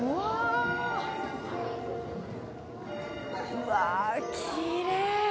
うわきれい。